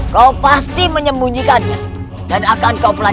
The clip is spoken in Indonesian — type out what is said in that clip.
kau pasti menyembunyikannya dan akan kau pelan pelan